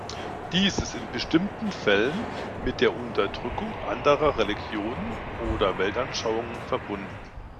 Dies ist in bestimmten Fällen mit der Unterdrückung anderer Religionen oder Weltanschauungen verbunden.